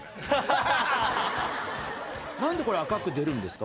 ハハハ何でこれ赤く出るんですか？